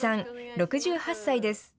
６８歳です。